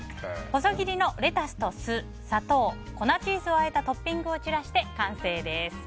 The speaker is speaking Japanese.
細切りのレタスと酢砂糖、粉チーズをあえたトッピングを散らして完成です。